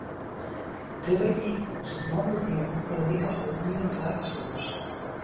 De byienkomst wurdt moandeitejûn oer in wike holden yn it doarpshûs.